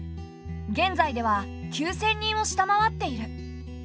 現在では９千人を下回っている。